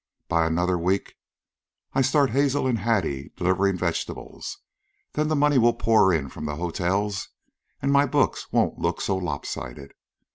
By another week I start Hazel and Hattie delivering vegetables. Then the money will pour in from the hotels and my books won't look so lopsided.